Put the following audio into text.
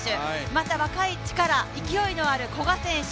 また若い力、勢いのある古賀選手。